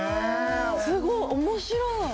すごい！面白い！